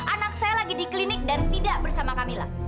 anak saya lagi di klinik dan tidak bersama camilla